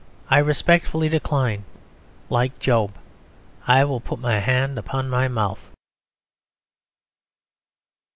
I respectfully decline; like Job, I will put my hand upon my mouth.